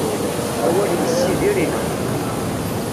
Awal yessidir ineqq.